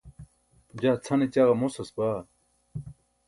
jaa cʰane ćaġa mosas baa